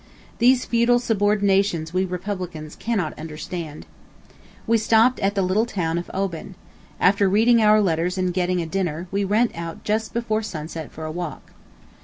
These feudal subordinations we republicans cannot understand. ... We stopped at the little town of Oban. After reading our letters and getting a dinner, we went out just before sunset for a walk.